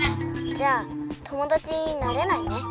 「じゃあ友だちになれないね。